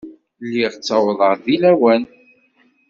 Lliɣ ttawḍeɣ deg lawan.